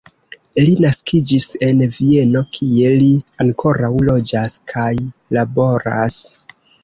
Li naskiĝis en Vieno, kie li ankoraŭ loĝas kaj laboras.